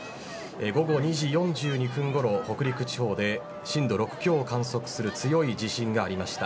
午後２時４２分ごろ北陸地方で震度６強を観測する強い地震がありました。